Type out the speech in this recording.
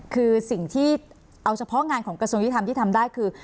คือสิ่งที่เอาเฉพาะงานของกระทรวงยุทธรรมที่ทำได้คือ